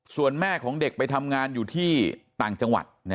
ส่วนแม่ของเด็กไปทำงานอยู่ที่ต่างจังหวัด